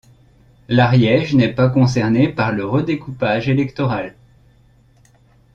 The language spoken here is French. L'Ariège n'est pas concerné par le redécoupage électoral.